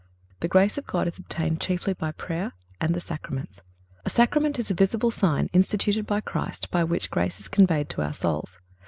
The grace of God is obtained chiefly by prayer and the Sacraments. A Sacrament is a visible sign instituted by Christ by which grace is conveyed to our souls.